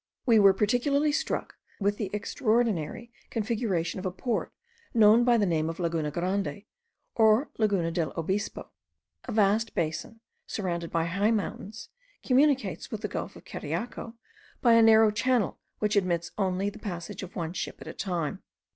We were particularly struck with the extraordinary configuration of a port, known by the name of Laguna Grande, or Laguna del Obispo. A vast basin, surrounded by high mountains, communicates with the gulf of Cariaco by a narrow channel which admits only of the passage of one ship at a time.